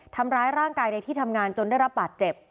ทำร้ายร่างกายในที่ทำงานจนได้รับบาดเจ็บ